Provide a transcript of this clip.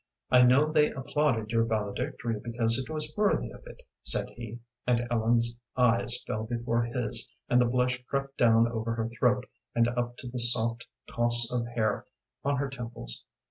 "I know they applauded your valedictory because it was worthy of it," said he, and Ellen's eyes fell before his, and the blush crept down over her throat, and up to the soft toss of hair on her temples.